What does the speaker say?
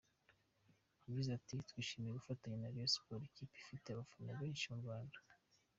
Yagize ati "Twishimiye gufatanya na Rayon Sports, ikipe ifite abafana benshi mu Rwanda.